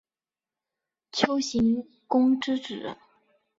丘行恭之子。